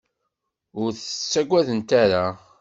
Ur t-ttagadent ara.